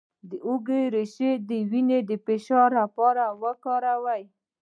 د هوږې ریښه د وینې د فشار لپاره وکاروئ